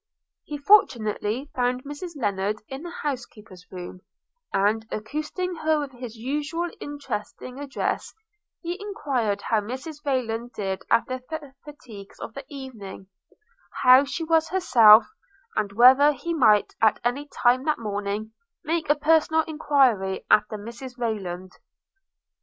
He fortunately found Mrs Lennard in the housekeeper's room; and, accosting her with his usual interesting address, he enquired how Mrs Rayland did after the fatigues of the evening, how she was herself, and whether he might at any time that morning make a personal enquiry after Mrs. Rayland?